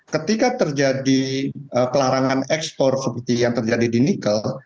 ketika terjadi pelarangan ekspor seperti yang terjadi di nikel